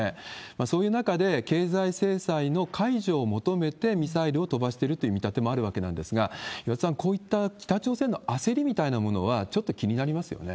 そういう中で、経済制裁の解除を求めて、ミサイルを飛ばしてるという見立てもあるわけなんですが、岩田さん、こういった北朝鮮の焦りみたいなものは、ちょっと気になりますよね。